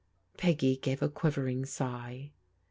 Peggy gave a quivering sigh.